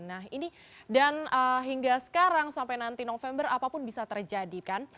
nah ini dan hingga sekarang sampai nanti november apapun bisa terjadi kan